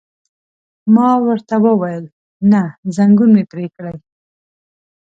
ما ورته وویل: نه، ځنګون مې پرې کړئ.